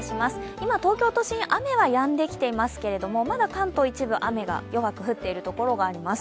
今東京都心、雨はやんできていますけれどもまだ関東、一部、雨が弱く降っているところがあります。